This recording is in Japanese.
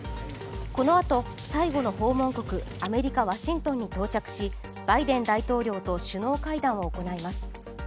このあと、最後の訪問国、アメリカ・ワシントンに到着し、バイデン大統領と首脳会談を行います。